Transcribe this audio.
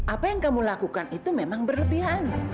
apa yang kamu lakukan itu memang berlebihan